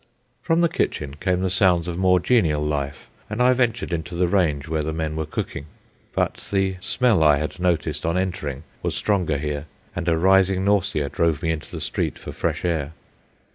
From the kitchen came the sounds of more genial life, and I ventured into the range where the men were cooking. But the smell I had noticed on entering was stronger here, and a rising nausea drove me into the street for fresh air.